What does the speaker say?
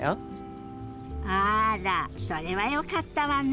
あらそれはよかったわね。